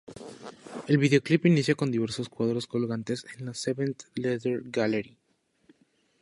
El videoclip inicia con diversos cuadros colgantes en la Seventh Letter Gallery.